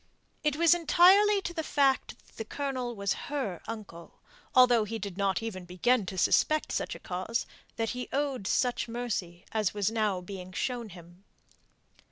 It was entirely to the fact that the Colonel was her uncle, although he did not even begin to suspect such a cause, that he owed such mercy as was now being shown him.